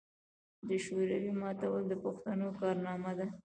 د شوروي ماتول د پښتنو کارنامه ده.